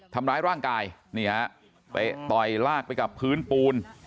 ทำร้ายร่างกายนี่ฮะไปต่อยลากไปกับพื้นปูน